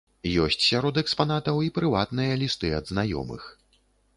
Ёсць сярод экспанатаў і прыватныя лісты ад знаёмых.